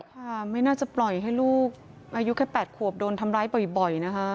ค่ะไม่น่าจะปล่อยให้ลูกอายุแค่๘ขวบโดนทำร้ายบ่อยนะคะ